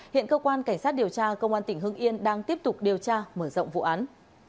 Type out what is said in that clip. hiện cơ quan cảnh sát điều tra công an tỉnh hưng yên đang tiếp tục điều tra mở rộng vụ án